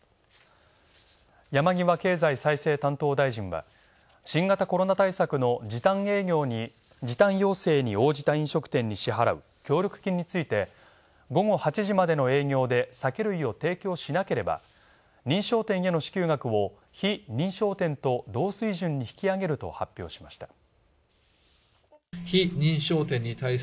山際経済再生担当大臣は、新型コロナ対策の時短要請に応じた飲食店に、支払う協力金について午後８時までの営業で、酒類を提供しなければ認証店への支給額を、非認証店と同水準に引き上げると発表しました。